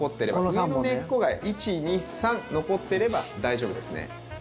上の根っこが１２３残ってれば大丈夫ですね。